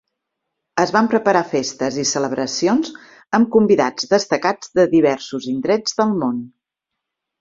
Es van preparar festes i celebracions amb convidats destacats de diversos indrets del món.